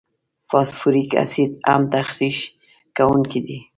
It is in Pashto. فاسفوریک اسید هم تخریش کوونکي دي.